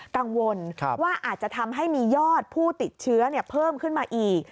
กังวลว่าอาจจะทำให้มียอดผู้ติดเชื้อเพิ่มขึ้นมาอีก